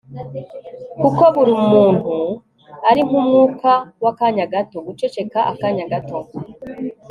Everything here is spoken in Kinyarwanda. kuko buri muntu ari nk'umwuka w'akanya gato! (guceceka akanya gato